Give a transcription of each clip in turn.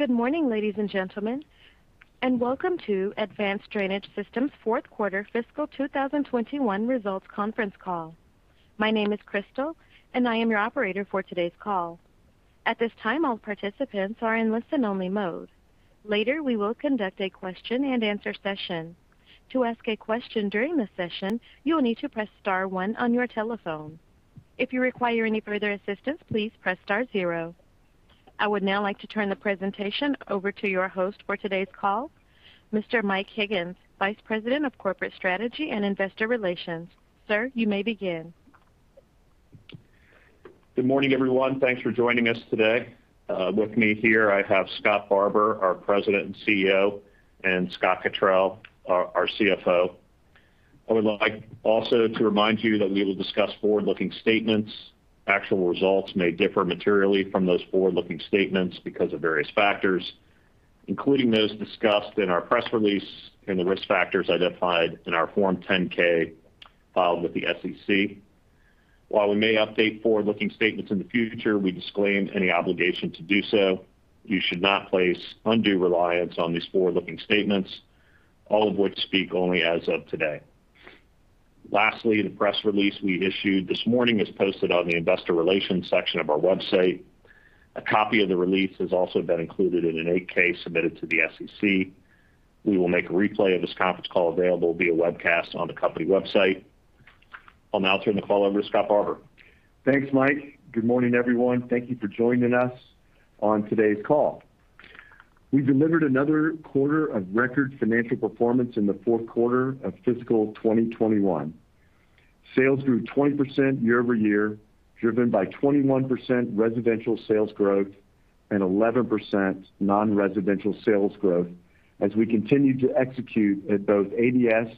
Good morning, ladies and gentlemen, and welcome to Advanced Drainage Systems' fourth quarter fiscal 2021 results conference call. My name is Crystal, and I am your operator for today's call. At this time, all participants are in listen only mode. Later, we will conduct a question and answer session. To ask a question during the session, you will need to press star one on your telephone. If you require any further assistance, please press star zero. I would now like to turn the presentation over to your host for today's call, Mr. Mike Higgins, Vice President of Corporate Strategy and Investor Relations. Sir, you may begin. Good morning, everyone. Thanks for joining us today. With me here, I have Scott Barbour, our President and CEO, and Scott Cottrill, our CFO. I would like also to remind you that we will discuss forward-looking statements. Actual results may differ materially from those forward-looking statements because of various factors, including those discussed in our press release and the risk factors identified in our Form 10-K filed with the SEC. While we may update forward-looking statements in the future, we disclaim any obligation to do so. You should not place undue reliance on these forward-looking statements, all of which speak only as of today. Lastly, the press release we issued this morning is posted on the investor relations section of our website. A copy of the release has also been included in an 8-K submitted to the SEC. We will make a replay of this conference call available via webcast on the company website. I'll now turn the call over to Scott Barbour. Thanks, Mike. Good morning, everyone. Thank you for joining us on today's call. We delivered another quarter of record financial performance in the fourth quarter of fiscal 2021. Sales grew 20% year-over-year, driven by 21% residential sales growth and 11% non-residential sales growth as we continue to execute at both ADS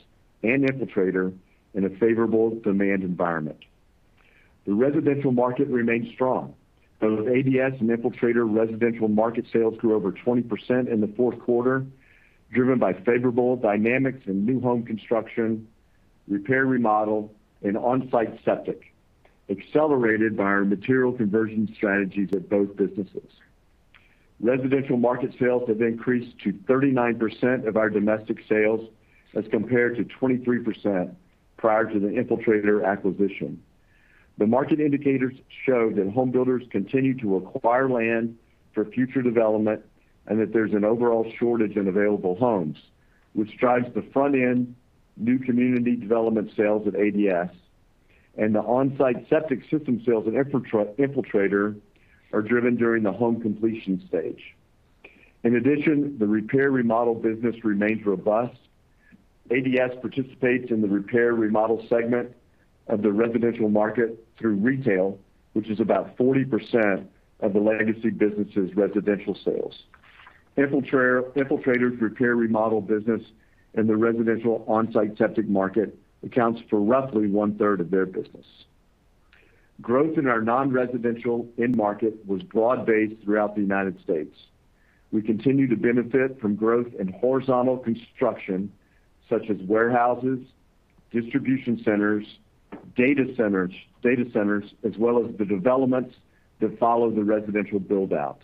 and Infiltrator in a favorable demand environment. The residential market remains strong. Both ADS and Infiltrator residential market sales grew over 20% in the fourth quarter, driven by favorable dynamics in new home construction, repair, remodel, and on-site septic, accelerated by our material conversion strategies at both businesses. Residential market sales have increased to 39% of our domestic sales as compared to 23% prior to the Infiltrator acquisition. The market indicators show that home builders continue to acquire land for future development and that there's an overall shortage in available homes, which drives the front end new community development sales at ADS, and the on-site septic system sales at Infiltrator are driven during the home completion stage. In addition, the repair and remodel business remains robust. ADS participates in the repair and remodel segment of the residential market through retail, which is about 40% of the legacy business's residential sales. Infiltrator's repair and remodel business in the residential on-site septic market accounts for roughly 1/3 of their business. Growth in our non-residential end market was broad-based throughout the United States. We continue to benefit from growth in horizontal construction, such as warehouses, distribution centers, data centers, as well as the developments that follow the residential build-out.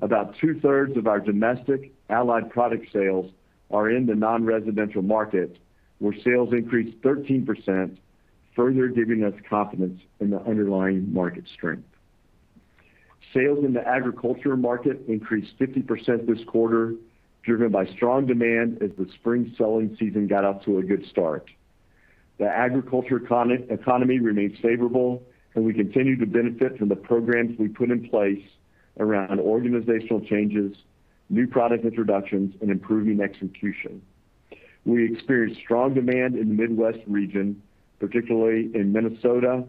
About two-thirds of our domestic Allied Products sales are in the non-residential market, where sales increased 13%, further giving us confidence in the underlying market strength. Sales in the agriculture market increased 50% this quarter, driven by strong demand as the spring selling season got off to a good start. The agriculture economy remains favorable, and we continue to benefit from the programs we put in place around organizational changes, new product introductions, and improving execution. We experienced strong demand in the Midwest region, particularly in Minnesota,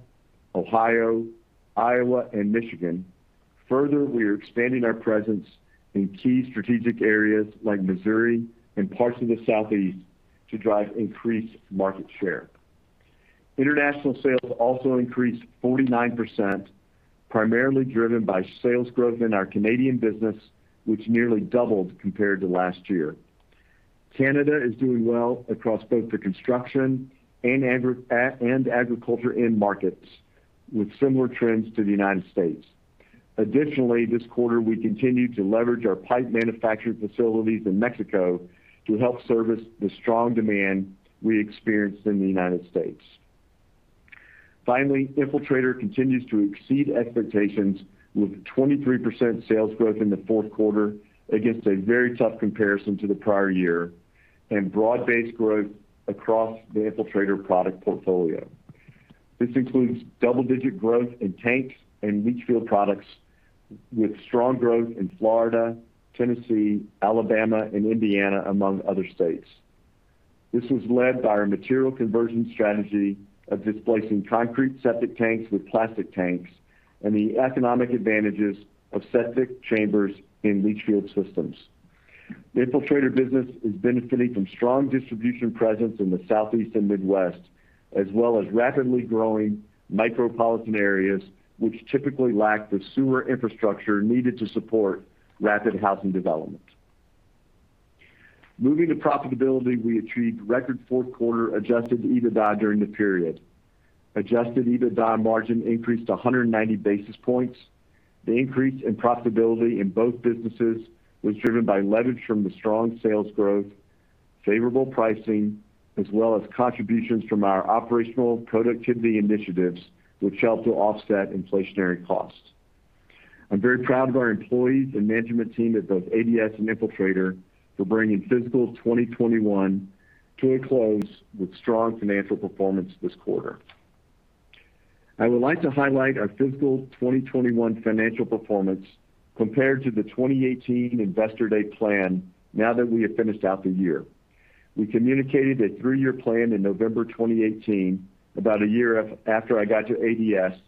Ohio, Iowa, and Michigan. Further, we are expanding our presence in key strategic areas like Missouri and parts of the Southeast to drive increased market share. International sales also increased 49%, primarily driven by sales growth in our Canadian business, which nearly doubled compared to last year. Canada is doing well across both the construction and agriculture end markets, with similar trends to the United States. This quarter, we continued to leverage our pipe manufacturing facilities in Mexico to help service the strong demand we experienced in the United States. Infiltrator continues to exceed expectations with 23% sales growth in the fourth quarter against a very tough comparison to the prior year and broad-based growth across the Infiltrator product portfolio. This includes double-digit growth in tanks and leach field products, with strong growth in Florida, Tennessee, Alabama, and Indiana, among other states. This was led by our material conversion strategy of displacing concrete septic tanks with plastic tanks and the economic advantages of septic chambers in leach field systems. The Infiltrator business is benefiting from strong distribution presence in the Southeast and Midwest, as well as rapidly growing micropolitan areas, which typically lack the sewer infrastructure needed to support rapid housing development. Moving to profitability, we achieved record fourth quarter adjusted EBITDA during the period. Adjusted EBITDA margin increased to 190 basis points. The increase in profitability in both businesses was driven by leverage from the strong sales growth, favorable pricing, as well as contributions from our operational productivity initiatives, which helped to offset inflationary costs. I'm very proud of our employees and management team at both ADS and Infiltrator for bringing fiscal 2021 to a close with strong financial performance this quarter. I would like to highlight our fiscal 2021 financial performance compared to the 2018 investor day plan now that we have finished out the year. We communicated a three-year plan in November 2018, about a year after I got to ADS,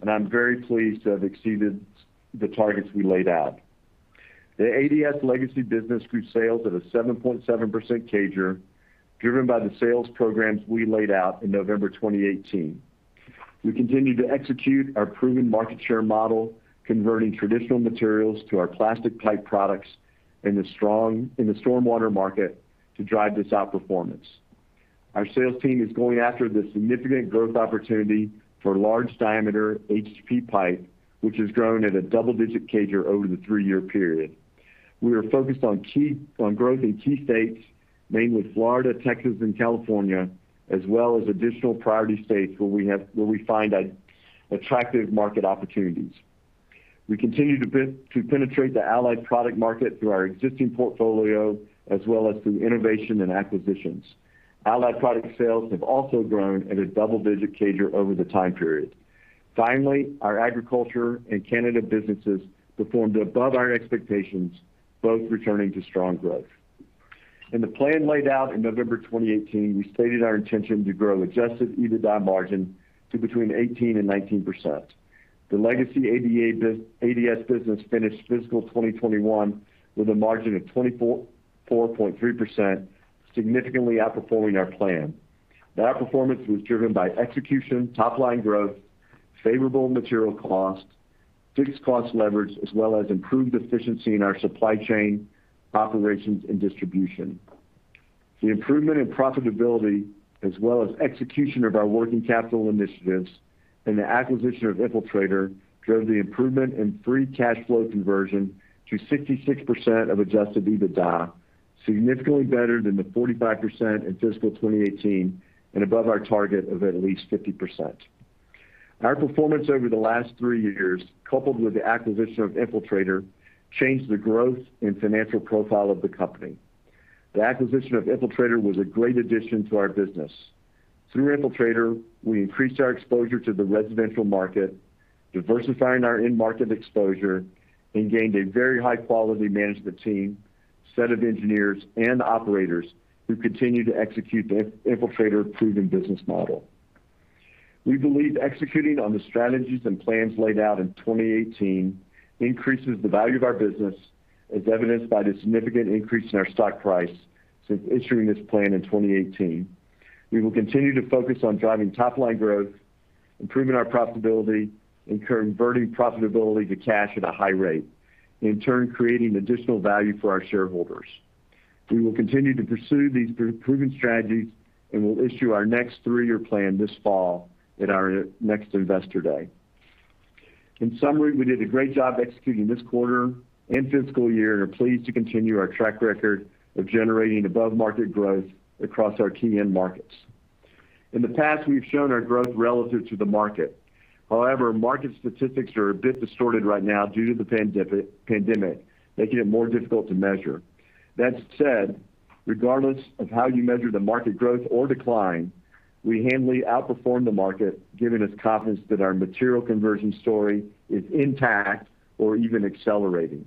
and I'm very pleased to have exceeded the targets we laid out. The ADS legacy business grew sales at a 7.7% CAGR, driven by the sales programs we laid out in November 2018. We continue to execute our proven market share model, converting traditional materials to our plastic pipe products in the stormwater market to drive this outperformance. Our sales team is going after the significant growth opportunity for large diameter HP pipe, which has grown at a double-digit CAGR over the three-year period. We are focused on growth in key states, mainly Florida, Texas, and California, as well as additional priority states where we find attractive market opportunities. We continue to penetrate the Allied Product market through our existing portfolio as well as through innovation and acquisitions. Allied Products sales have also grown at a double-digit CAGR over the time period. Finally, our agriculture and Canada businesses performed above our expectations, both returning to strong growth. In the plan laid out in November 2018, we stated our intention to grow adjusted EBITDA margin to between 18% and 19%. The legacy ADS business finished fiscal 2021 with a margin of 24.3%, significantly outperforming our plan. That outperformance was driven by execution, top-line growth, favorable material cost, fixed cost leverage, as well as improved efficiency in our supply chain operations and distribution. The improvement in profitability, as well as execution of our working capital initiatives and the acquisition of Infiltrator, drove the improvement in free cash flow conversion to 66% of adjusted EBITDA, significantly better than the 45% in fiscal 2018 and above our target of at least 50%. Our performance over the last three years, coupled with the acquisition of Infiltrator, changed the growth and financial profile of the company. The acquisition of Infiltrator was a great addition to our business. Through Infiltrator, we increased our exposure to the residential market, diversifying our end market exposure, and gained a very high-quality management team, set of engineers, and operators who continue to execute the Infiltrator proven business model. We believe executing on the strategies and plans laid out in 2018 increases the value of our business, as evidenced by the significant increase in our stock price since issuing this plan in 2018. We will continue to focus on driving top-line growth, improving our profitability, and converting profitability to cash at a high rate, in turn creating additional value for our shareholders. We will continue to pursue these proven strategies, and we'll issue our next three-year plan this fall at our next investor day. In summary, we did a great job executing this quarter and fiscal year and are pleased to continue our track record of generating above-market growth across our key end markets. In the past, we've shown our growth relative to the market. However, market statistics are a bit distorted right now due to the pandemic, making it more difficult to measure. That said, regardless of how you measure the market growth or decline, we handily outperformed the market, giving us confidence that our material conversion story is intact or even accelerating.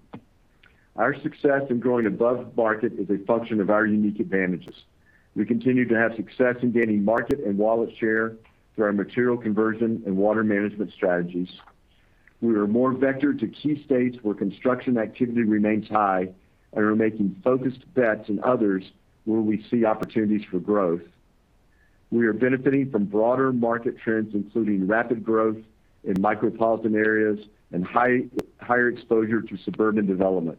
Our success in growing above market is a function of our unique advantages. We continue to have success in gaining market and wallet share through our material conversion and water management strategies. We are more vectored to key states where construction activity remains high, and we're making focused bets in others where we see opportunities for growth. We are benefiting from broader market trends, including rapid growth in micropolitan areas and higher exposure to suburban development.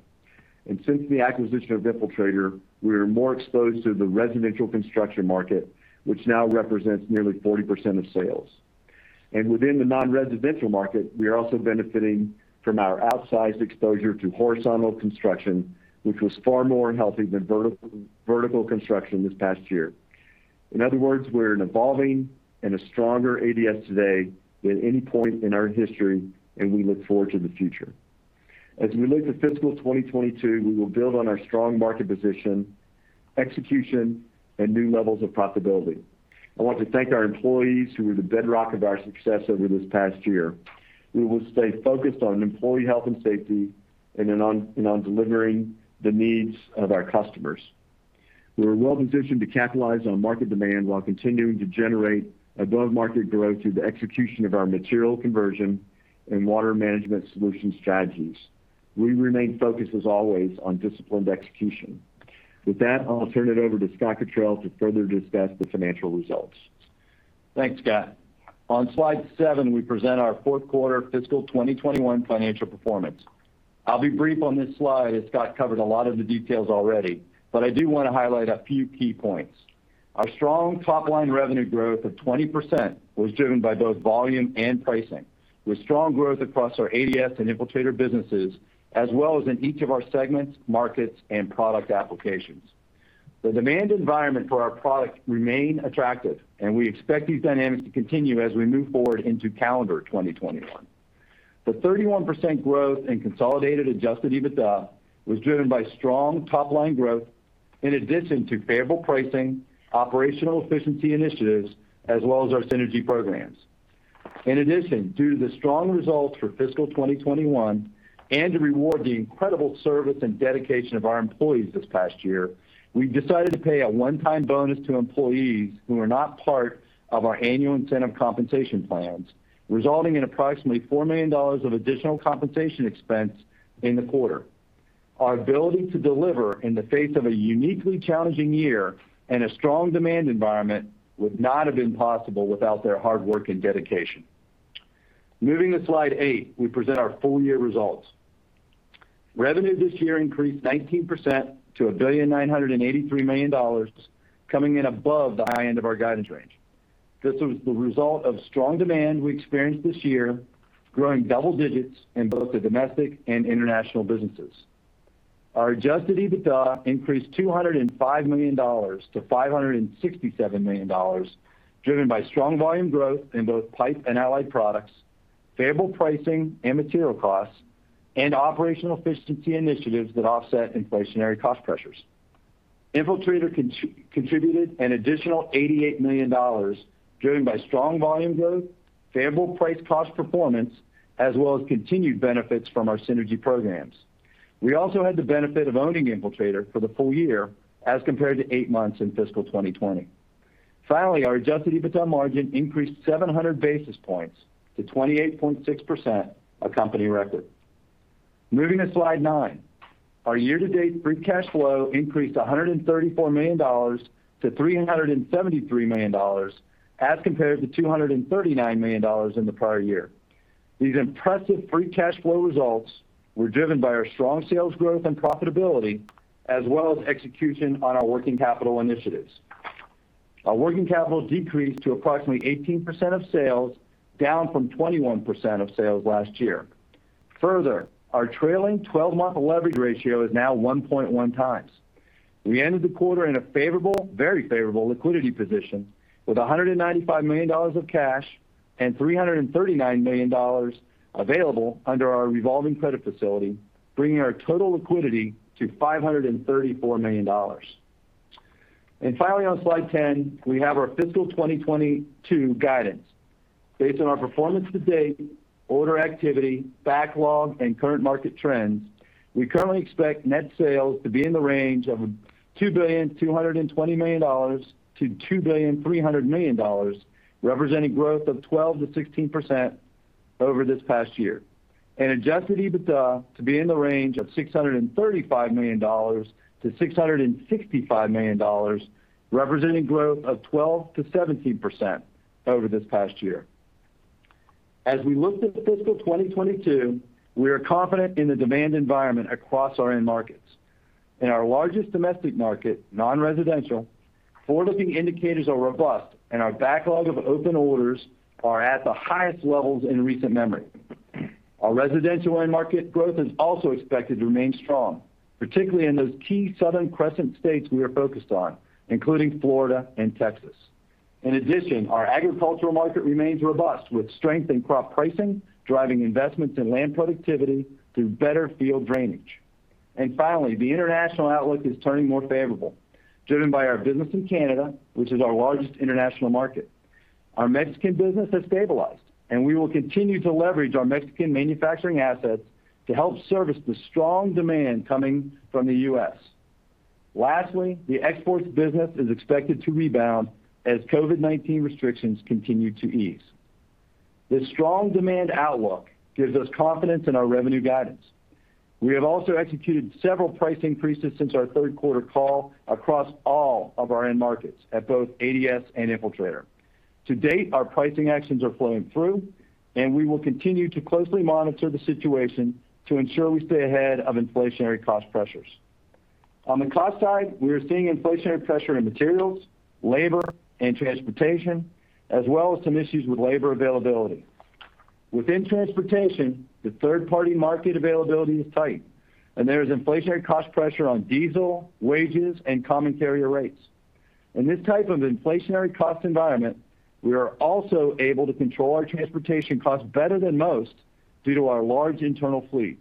Since the acquisition of Infiltrator, we are more exposed to the residential construction market, which now represents nearly 40% of sales. Within the non-residential market, we are also benefiting from our outsized exposure to horizontal construction, which was far more healthy than vertical construction this past year. In other words, we're an evolving and a stronger ADS today than any point in our history, and we look forward to the future. As we look to fiscal 2022, we will build on our strong market position, execution, and new levels of profitability. I want to thank our employees, who were the bedrock of our success over this past year. We will stay focused on employee health and safety and on delivering the needs of our customers. We're well-positioned to capitalize on market demand while continuing to generate above-market growth through the execution of our material conversion and water management solution strategies. We remain focused, as always, on disciplined execution. With that, I'll turn it over to Scott Cottrill to further discuss the financial results. Thanks, Scott. On slide seven, we present our fourth quarter fiscal 2021 financial performance. I'll be brief on this slide, as Scott covered a lot of the details already, but I do want to highlight a few key points. Our strong top-line revenue growth of 20% was driven by both volume and pricing, with strong growth across our ADS and Infiltrator businesses, as well as in each of our segments, markets, and product applications. The demand environment for our products remain attractive, and we expect these dynamics to continue as we move forward into calendar 2021. The 31% growth in consolidated adjusted EBITDA was driven by strong top-line growth, in addition to favorable pricing, operational efficiency initiatives, as well as our synergy programs. In addition, due to the strong results for fiscal 2021, and to reward the incredible service and dedication of our employees this past year, we've decided to pay a one-time bonus to employees who are not part of our annual incentive compensation plans, resulting in approximately $4 million of additional compensation expense in the quarter. Our ability to deliver in the face of a uniquely challenging year and a strong demand environment would not have been possible without their hard work and dedication. Moving to slide eight, we present our full-year results. Revenue this year increased 19% to $1,983,000,000, coming in above the high end of our guidance range. This was the result of strong demand we experienced this year, growing double digits in both the domestic and international businesses. Our adjusted EBITDA increased $205 million to $567 million, driven by strong volume growth in both pipe and Allied Products, favorable pricing and material costs, and operational efficiency initiatives that offset inflationary cost pressures. Infiltrator contributed an additional $88 million, driven by strong volume growth, favorable price cost performance, as well as continued benefits from our synergy programs. We also had the benefit of owning Infiltrator for the full year as compared to eight months in fiscal 2020. Finally, our adjusted EBITDA margin increased 700 basis points to 28.6%, a company record. Moving to slide nine. Our year-to-date free cash flow increased $134 million to $373 million, as compared to $239 million in the prior year. These impressive free cash flow results were driven by our strong sales growth and profitability, as well as execution on our working capital initiatives. Our working capital decreased to approximately 18% of sales, down from 21% of sales last year. Further, our trailing 12-month leverage ratio is now 1.1 times. We ended the quarter in a very favorable liquidity position with $195 million of cash and $339 million available under our revolving credit facility, bringing our total liquidity to $534 million. Finally, on slide 10, we have our fiscal 2022 guidance. Based on our performance to date, order activity, backlog, and current market trends, we currently expect net sales to be in the range of $2.22 billion-$2.30 billion, representing growth of 12%-16% over this past year, and adjusted EBITDA to be in the range of $635 million-$665 million, representing growth of 12%-17% over this past year. As we look to fiscal 2022, we are confident in the demand environment across our end markets. In our largest domestic market, non-residential, forward-looking indicators are robust, and our backlog of open orders are at the highest levels in recent memory. Our residential end market growth is also expected to remain strong, particularly in those key Southern Crescent states we are focused on, including Florida and Texas. In addition, our agricultural market remains robust, with strength in crop pricing driving investments in land productivity through better field drainage. Finally, the international outlook is turning more favorable, driven by our business in Canada, which is our largest international market. Our Mexican business has stabilized, and we will continue to leverage our Mexican manufacturing assets to help service the strong demand coming from the U.S. Lastly, the exports business is expected to rebound as COVID-19 restrictions continue to ease. This strong demand outlook gives us confidence in our revenue guidance. We have also executed several price increases since our third quarter call across all of our end markets at both ADS and Infiltrator. To date, our pricing actions are flowing through, and we will continue to closely monitor the situation to ensure we stay ahead of inflationary cost pressures. On the cost side, we are seeing inflationary pressure in materials, labor, and transportation, as well as some issues with labor availability. Within transportation, the third-party market availability is tight, and there is inflationary cost pressure on diesel, wages, and common carrier rates. In this type of inflationary cost environment, we are also able to control our transportation costs better than most due to our large internal fleet,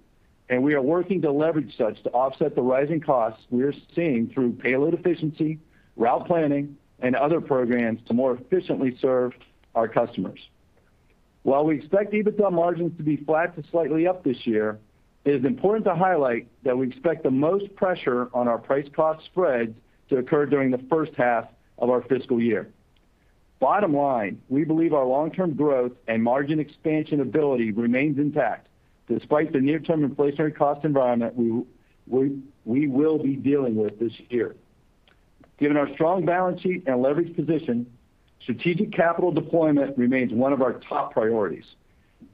and we are working to leverage such to offset the rising costs we are seeing through payload efficiency, route planning, and other programs to more efficiently serve our customers. While we expect EBITDA margins to be flat to slightly up this year, it is important to highlight that we expect the most pressure on our price-cost spread to occur during the first half of our fiscal year. Bottom line, we believe our long-term growth and margin expansion ability remains intact, despite the near-term inflationary cost environment we will be dealing with this year. Given our strong balance sheet and leverage position, strategic capital deployment remains one of our top priorities.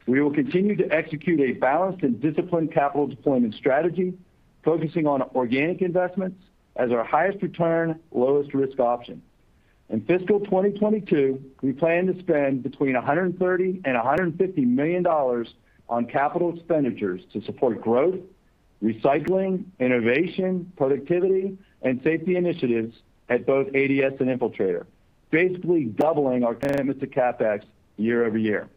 We will continue to execute a balanced and disciplined capital deployment strategy, focusing on organic investments as our highest return, lowest risk option. In fiscal 2022, we plan to spend between $130 million-$150 million on capital expenditures to support growth, recycling, innovation, productivity, and safety initiatives at both ADS and Infiltrator, basically doubling our commitment to CapEx year-over-year.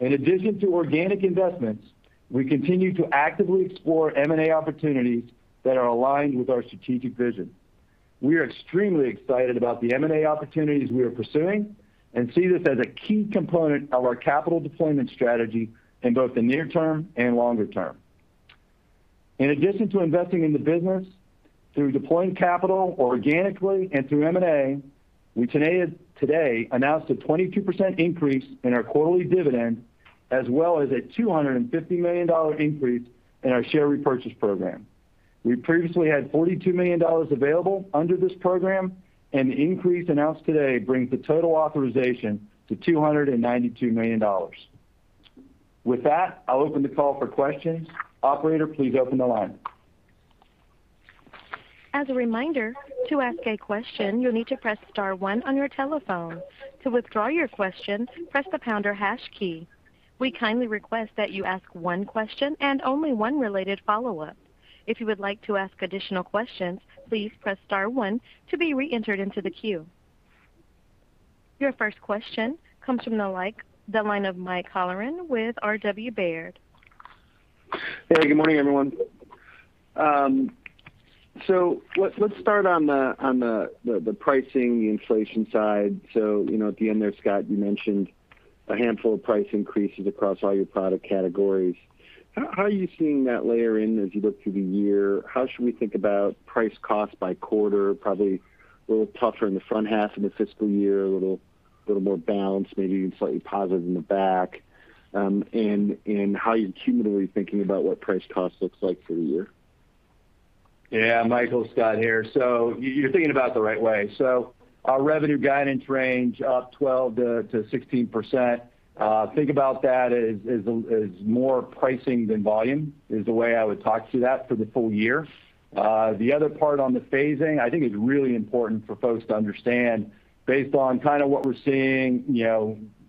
In addition to organic investments, we continue to actively explore M&A opportunities that are aligned with our strategic vision. We are extremely excited about the M&A opportunities we are pursuing and see this as a key component of our capital deployment strategy in both the near term and longer term. In addition to investing in the business through deploying capital organically and through M&A, we today announced a 22% increase in our quarterly dividend, as well as a $250 million increase in our share repurchase program. We previously had $42 million available under this program, and the increase announced today brings the total authorization to $292 million. With that, I'll open the call for questions. Operator, please open the line. As a reminder, to ask a question, you'll need to press star one on your telephone. To withdraw your question, press the pound or hash key. We kindly request that you ask one question and only one related follow-up. If you would like to ask additional questions, please press star one to be re-entered into the queue. Your first question comes from the line of Mike Halloran with R.W. Baird. Hey, good morning, everyone. Let's start on the pricing, the inflation side. At the end there, Scott, you mentioned a handful of price increases across all your product categories. How are you seeing that layer in as you look through the year? How should we think about price cost by quarter? Probably a little tougher in the front half of the fiscal year, a little more balanced, maybe even slightly positive in the back. How are you cumulatively thinking about what price cost looks like for the year? Yeah, Mike, Scott here. You're thinking about it the right way. Our revenue guidance range up 12%-16%. Think about that as more pricing than volume, is the way I would talk to that for the full year. The other part on the phasing, I think it's really important for folks to understand based on what we're seeing,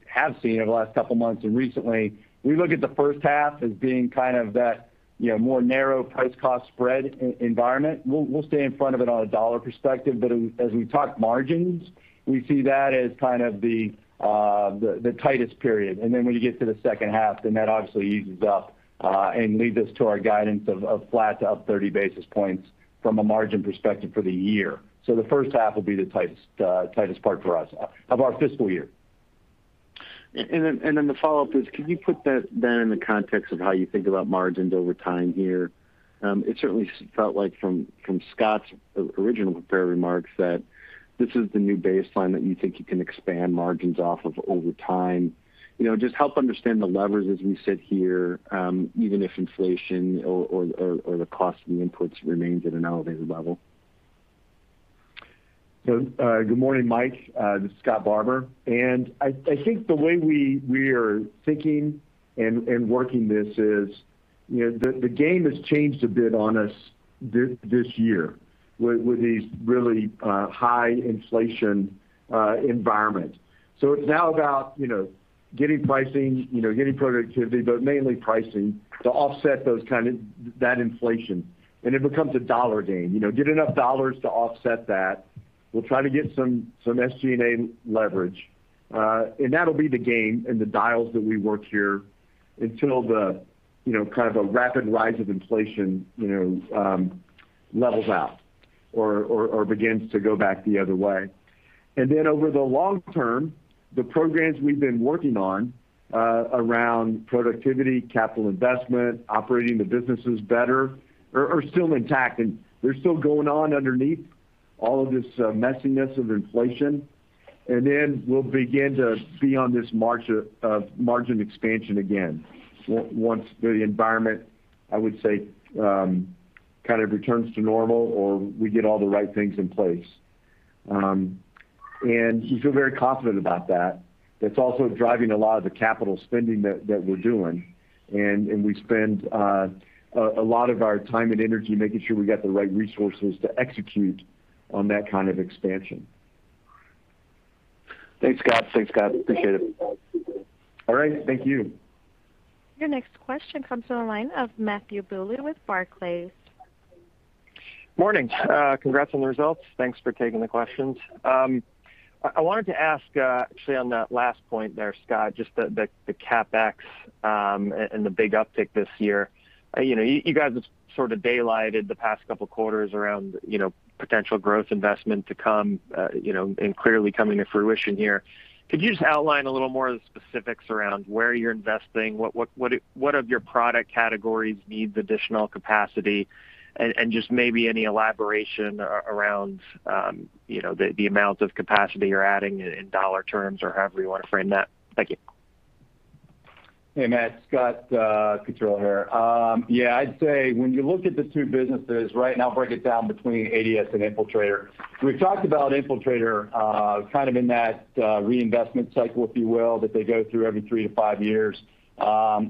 have seen over the last couple of months, and recently, we look at the first half as being that more narrow price cost spread environment. We'll stay in front of it on a dollar perspective, but as we talk margins, we see that as the tightest period. When you get to the second half, then that obviously eases up and leads us to our guidance of flat to up 30 basis points from a margin perspective for the year. The first half will be the tightest part for us of our fiscal year. The follow-up is, can you put that then in the context of how you think about margins over time here? It certainly felt like from Scott's original prepared remarks that this is the new baseline that you think you can expand margins off of over time. Just help understand the levers as we sit here, even if inflation or the cost of the inputs remains at an elevated level. Good morning, Mike. This is Scott Barbour. I think the way we are thinking and working this is, the game has changed a bit on us this year with these really high inflation environment. It's now about getting pricing, getting productivity, but mainly pricing to offset that inflation. It becomes a dollar game. Get enough dollars to offset that. We'll try to get some SG&A leverage. That'll be the game and the dials that we work here until the rapid rise of inflation levels out or begins to go back the other way. Over the long term, the programs we've been working on around productivity, capital investment, operating the businesses better, are still intact, and they're still going on underneath all of this messiness of inflation. Then we'll begin to be on this margin expansion again once the environment, I would say, returns to normal or we get all the right things in place. We feel very confident about that. That's also driving a lot of the capital spending that we're doing, and we spend a lot of our time and energy making sure we got the right resources to execute on that kind of expansion. Thanks, Scott. Appreciate it. All right. Thank you. Your next question comes from the line of Matthew Bouley with Barclays. Morning. Congrats on the results. Thanks for taking the questions. I wanted to ask, actually on that last point there, Scott, just the CapEx and the big uptick this year. You guys have sort of daylighted the past couple of quarters around potential growth investment to come, and clearly coming to fruition here. Could you just outline a little more of the specifics around where you're investing? What of your product categories needs additional capacity? Just maybe any elaboration around the amount of capacity you're adding in dollar terms or however you want to frame that. Thank you. Hey, Matt. Scott Cottrill here. Yeah, I'd say when you look at the two businesses, right now break it down between ADS and Infiltrator. We've talked about Infiltrator kind of in that reinvestment cycle, if you will, that they go through every three to five years. I'll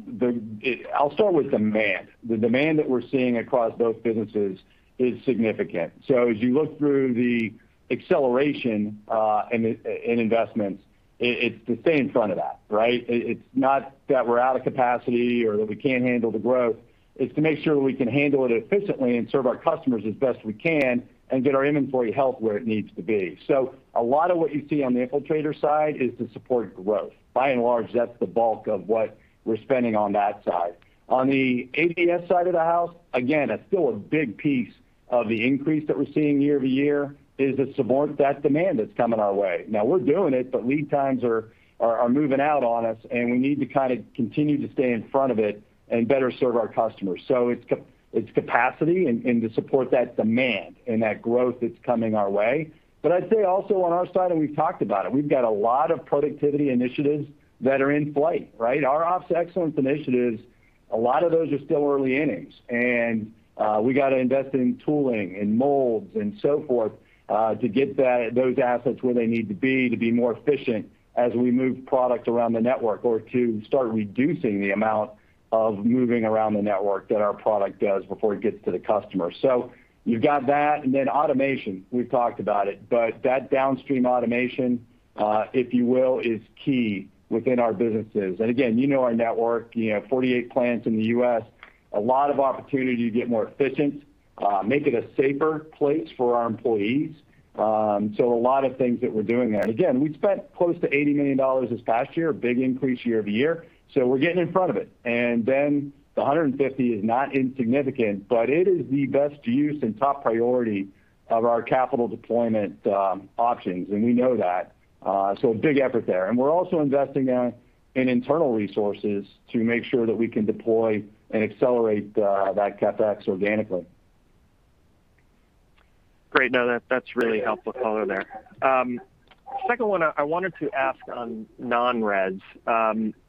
start with demand. The demand that we're seeing across both businesses is significant. As you look through the acceleration in investments, it's to stay in front of that, right? It's not that we're out of capacity or that we can't handle the growth. It's to make sure that we can handle it efficiently and serve our customers as best we can and get our inventory health where it needs to be. A lot of what you see on the Infiltrator side is to support growth. By and large, that's the bulk of what we're spending on that side. On the ADS side of the house, again, that's still a big piece of the increase that we're seeing year-over-year, is to support that demand that's coming our way. Now we're doing it, but lead times are moving out on us, and we need to kind of continue to stay in front of it and better serve our customers. It's capacity and to support that demand and that growth that's coming our way. I'd say also on our side, and we've talked about it, we've got a lot of productivity initiatives that are in flight, right? Our ops excellence initiatives, a lot of those are still early innings. We got to invest in tooling, in molds, and so forth, to get those assets where they need to be to be more efficient as we move product around the network or to start reducing the amount of moving around the network that our product does before it gets to the customer. You've got that, and then automation, we've talked about it, but that downstream automation, if you will, is key within our businesses. Again, you know our network, 48 plants in the U.S., a lot of opportunity to get more efficient, make it a safer place for our employees. A lot of things that we're doing there. Again, we spent close to $80 million this past year, a big increase year-over-year. We're getting in front of it. The $150 is not insignificant, but it is the best use and top priority of our capital deployment options, and we know that. A big effort there. We're also investing in internal resources to make sure that we can deploy and accelerate that CapEx organically. Great. No, that's really helpful color there. Second one, I wanted to ask on non-res,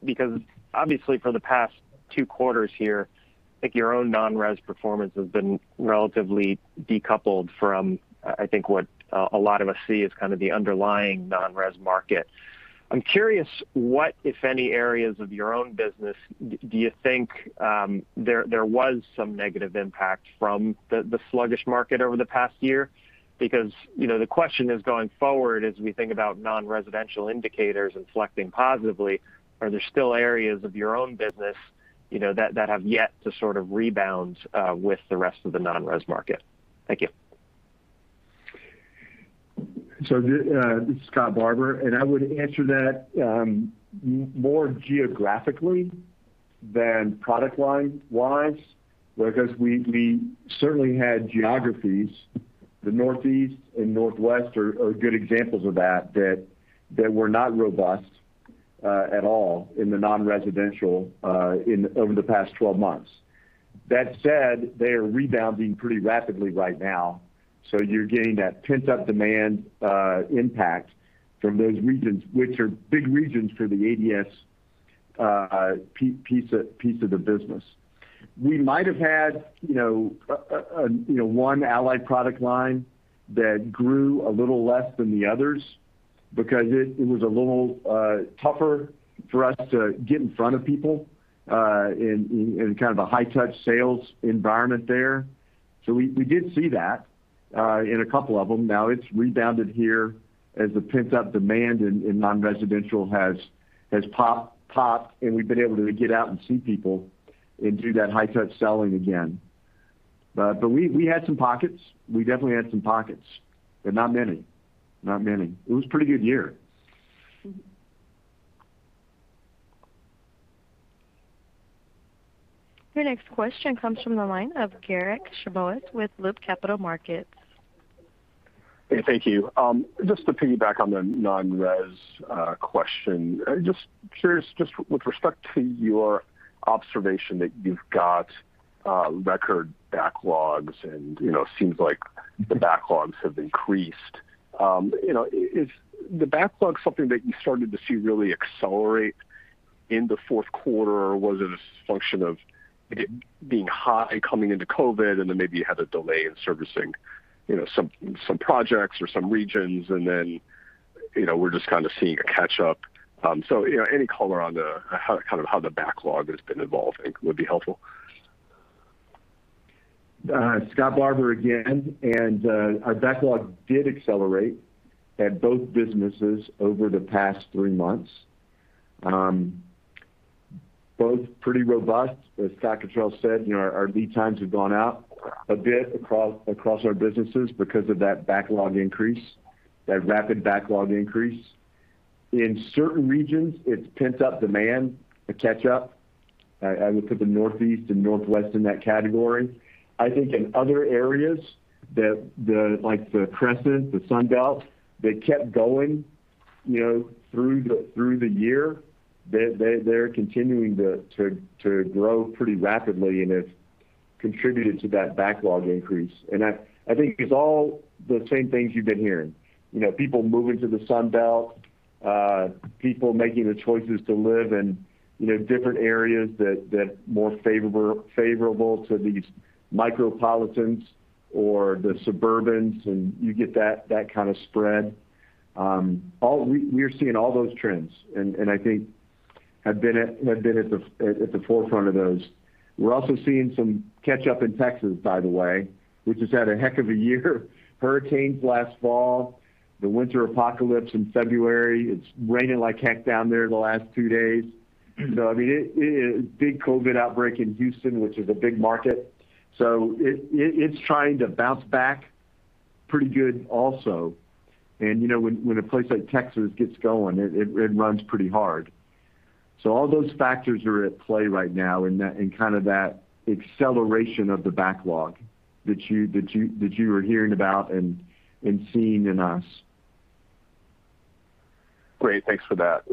because obviously for the past two quarters here, I think your own non-res performance has been relatively decoupled from, I think, what a lot of us see as kind of the underlying non-res market. I'm curious what, if any, areas of your own business do you think there was some negative impact from the sluggish market over the past year? The question is going forward as we think about non-residential indicators and flexing positively, are there still areas of your own business that have yet to sort of rebound with the rest of the non-res market? Thank you. This is Scott Barbour, and I would answer that more geographically than product line-wise, because we certainly had geographies, the Northeast and Northwest are good examples of that were not robust at all in the non-residential over the past 12 months. That said, they are rebounding pretty rapidly right now, so you're getting that pent-up demand impact from those regions, which are big regions for the ADS piece of the business. We might have had one Allied Products line that grew a little less than the others because it was a little tougher for us to get in front of people in kind of a high-touch sales environment there. We did see that in a couple of them. Now it's rebounded here as the pent-up demand in non-residential has popped, and we've been able to get out and see people and do that high-touch selling again. We had some pockets. We definitely had some pockets, but not many. It was a pretty good year. Your next question comes from the line of Garik Shmois with Loop Capital Markets. Thank you. Just to piggyback on the non-res question, just curious, just with respect to your observation that you've got record backlogs and it seems like the backlogs have increased. Is the backlog something that you started to see really accelerate in the fourth quarter, or was it a function of it being high coming into COVID-19 and then maybe you had a delay in servicing some projects or some regions and then we're just kind of seeing a catch-up? Any color on how the backlog has been evolving would be helpful. Scott Barbour again. Our backlog did accelerate at both businesses over the past three months. Both pretty robust. As Scott Cottrill said, our lead times have gone out a bit across our businesses because of that backlog increase, that rapid backlog increase. In certain regions, it's pent-up demand to catch up. I would put the Northeast and Northwest in that category. I think in other areas like the Crescent, the Sun Belt, they kept going through the year. They're continuing to grow pretty rapidly and it's contributed to that backlog increase. I think it's all the same things you've been hearing. People moving to the Sun Belt, people making the choices to live in different areas that more favorable to these micropolitans or the suburbans, and you get that kind of spread. We're seeing all those trends. I think have been at the forefront of those. We're also seeing some catch up in Texas, by the way, which has had a heck of a year. Hurricanes last fall, the winter apocalypse in February. It's raining like heck down there the last two days. I mean, big COVID outbreak in Houston, which is a big market. It's trying to bounce back pretty good also. When a place like Texas gets going, it runs pretty hard. All those factors are at play right now in kind of that acceleration of the backlog that you were hearing about and seeing in us. Great. Thanks for that.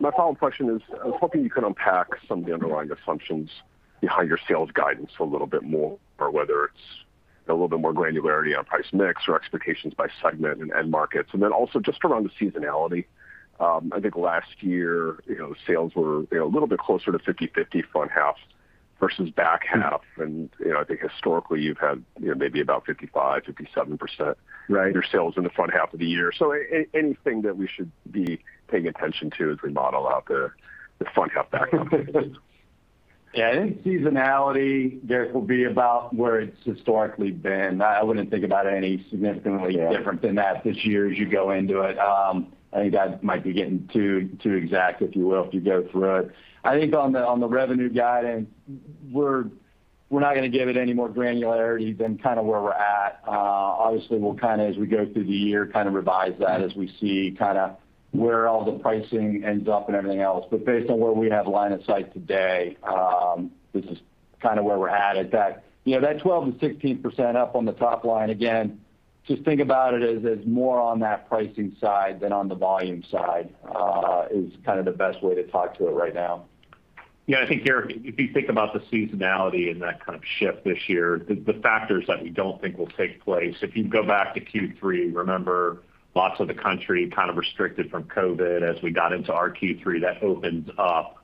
My follow-up question is, I was hoping you could unpack some of the underlying assumptions behind your sales guidance a little bit more, or whether it's a little bit more granularity on price mix or expectations by segment and end markets. Also just around the seasonality. I think last year, sales were a little bit closer to 50-50 front half versus back half, and I think historically you've had maybe about 55%, 57%. Your sales in the front half of the year. Anything that we should be paying attention to as we model out the front half, back half? Yeah, I think seasonality, Garik, will be about where it's historically been. I wouldn't think about any significantly different than that this year as you go into it. I think that might be getting too exact, if you will, if you go through it. I think on the revenue guidance, we're not going to give it any more granularity than kind of where we're at. Obviously, we'll kind of, as we go through the year, kind of revise that as we see kind of where all the pricing ends up and everything else. Based on where we have line of sight today, this is kind of where we're at. That 12%-16% up on the top line, again, just think about it as more on that pricing side than on the volume side, is kind of the best way to talk to it right now. Yeah, I think, Garik, if you think about the seasonality and that kind of shift this year, the factors that we don't think will take place. If you go back to Q3, remember, lots of the country kind of restricted from COVID. As we got into our Q3, that opened up,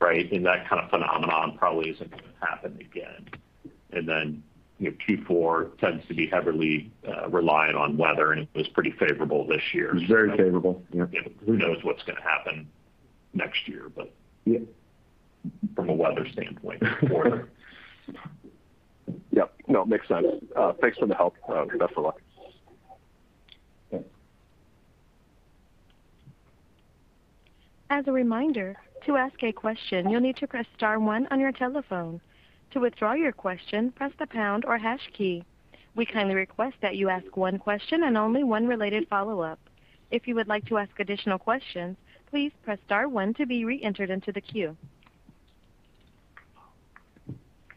right? That kind of phenomenon probably isn't going to happen again. Q4 tends to be heavily reliant on weather, and it was pretty favorable this year. It was very favorable. Yeah. Who knows what's going to happen next year. Yeah. From a weather standpoint for. Yep. No, makes sense. Thanks for the help. Best of luck. Yeah.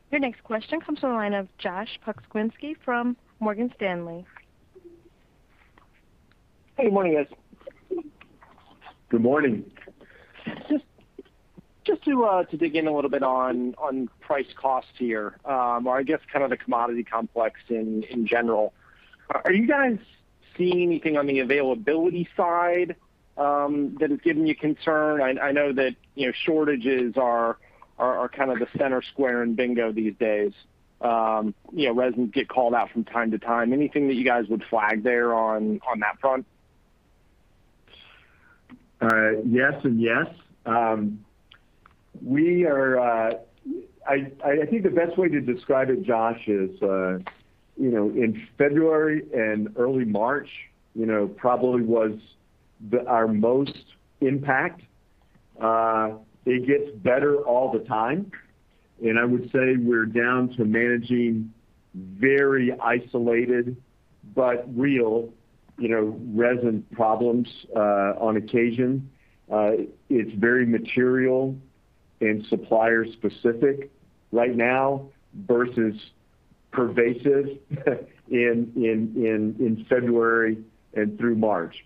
Your next question comes from the line of Josh Pokrzywinski from Morgan Stanley. Hey, good morning, guys. Good morning. Just to dig in a little bit on price cost here, or I guess kind of the commodity complex in general. Are you guys seeing anything on the availability side that is giving you concern? I know that shortages are kind of the center square in bingo these days. resins get called out from time to time. Anything that you guys would flag there on that front? Yes and yes. I think the best way to describe it, Josh, is in February and early March, probably was our most impact. It gets better all the time, and I would say we're down to managing very isolated but real resin problems on occasion. It's very material and supplier specific right now versus pervasive in February and through March.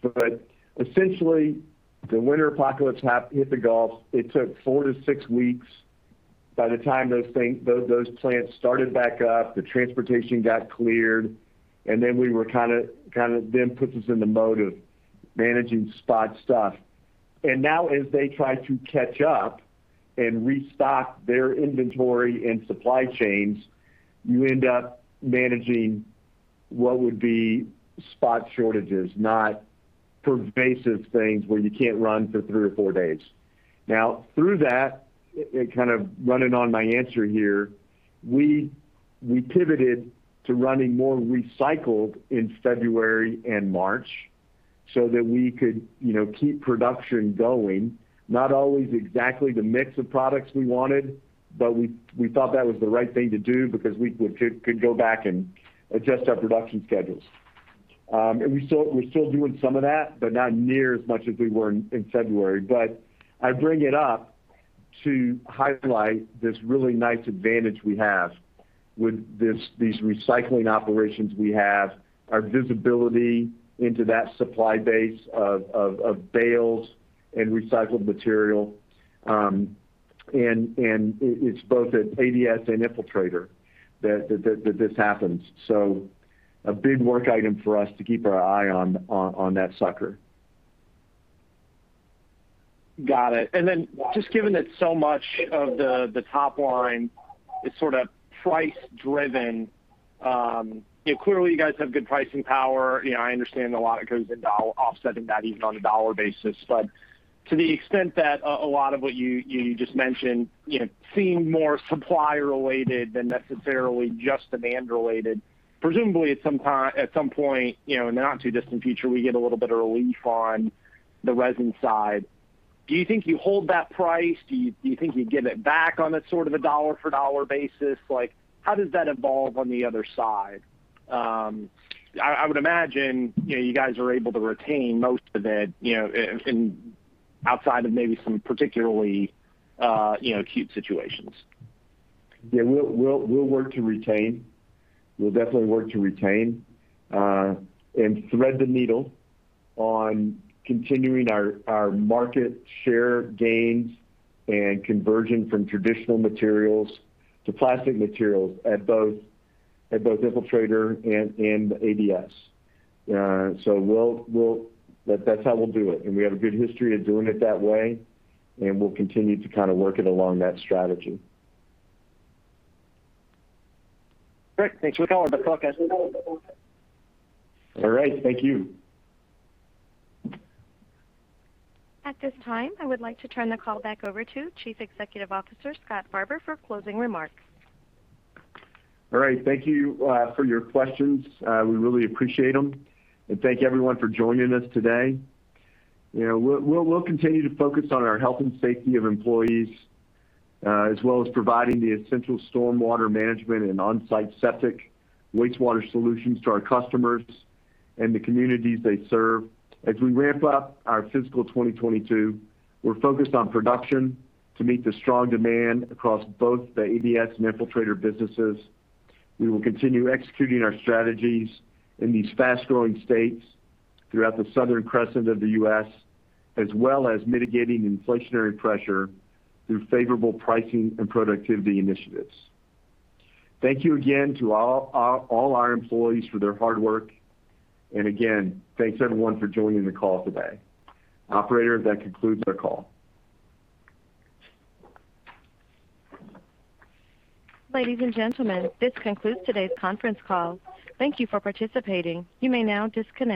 Essentially, the winter apocalypse hit the Gulf. It took four to six weeks by the time those plants started back up, the transportation got cleared, then puts us in the mode of managing spot stuff. Now as they try to catch up and restock their inventory and supply chains, you end up managing what would be spot shortages, not pervasive things where you can't run for three or four days. Through that, we pivoted to running more recycled in February and March so that we could keep production going. Not always exactly the mix of products we wanted, we thought that was the right thing to do because we could go back and adjust our production schedules. We're still doing some of that, not near as much as we were in February. I bring it up to highlight this really nice advantage we have with these recycling operations we have. Our visibility into that supply base of bales and recycled material. It's both at ADS and Infiltrator that this happens. A big work item for us to keep our eye on that sucker. Got it. Just given that so much of the top line is sort of price-driven, clearly you guys have good pricing power. I understand a lot of it goes into offsetting that even on a dollar basis. To the extent that a lot of what you just mentioned seemed more supplier-related than necessarily just demand-related, presumably at some point in the not too distant future, we get a little bit of relief on the resin side. Do you think you hold that price? Do you think you give it back on a dollar-for-dollar basis? How does that evolve on the other side? I would imagine you guys are able to retain most of it, outside of maybe some particularly acute situations. Yeah, we'll work to retain. We'll definitely work to retain and thread the needle on continuing our market share gains and conversion from traditional materials to plastic materials at both Infiltrator and ADS. That's how we'll do it, and we have a good history of doing it that way, and we'll continue to kind of work it along that strategy. Great. Thanks for the color. All right. Thank you. At this time, I would like to turn the call back over to Chief Executive Officer, Scott Barbour, for closing remarks. All right. Thank you for your questions. We really appreciate them. Thank everyone for joining us today. We'll continue to focus on our health and safety of employees, as well as providing the essential stormwater management and on-site septic wastewater solutions to our customers and the communities they serve. As we ramp up our fiscal 2022, we're focused on production to meet the strong demand across both the ADS and Infiltrator businesses. We will continue executing our strategies in these fast-growing states throughout the southern crescent of the U.S., as well as mitigating inflationary pressure through favorable pricing and productivity initiatives. Thank you again to all our employees for their hard work. Again, thanks everyone for joining the call today. Operator, that concludes our call. Ladies and gentlemen, this concludes today's conference call. Thank you for participating. You may now disconnect.